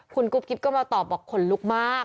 คุณกุ๊บกิ๊บก็มาตอบบอกขนลุกมาก